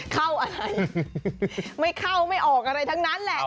เข้าอะไรไม่เข้าไม่ออกอะไรทั้งนั้นแหละ